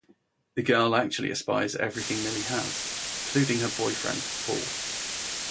The girl actually aspires everything Mili has, including her boyfriend Paul.